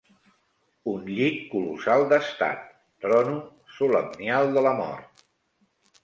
Un llit colossal d'estat, trono solemnial de la mort